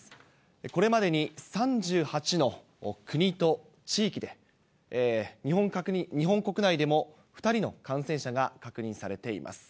これまでに３８の国と地域で、日本国内でも２人の感染者が確認されています。